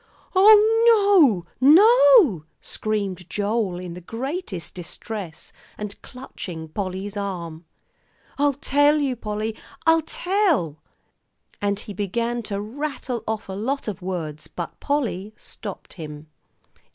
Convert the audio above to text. "Oh, no no!" screamed Joel, in the greatest distress, and clutching Polly's arm. "I'll tell you, Polly; I'll tell." And he began to rattle off a lot of words, but Polly stopped him.